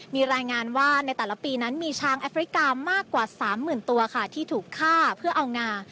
มีรายงานว่าในแต่ละปีนั้นมีช้างแอฟริกามากกว่า๓๐๐๐ตัวค่ะที่ถูกฆ่าเพื่อเอางา